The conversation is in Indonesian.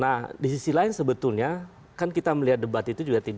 nah disisi lain sebetulnya kan kita melihat debat itu juga terjadi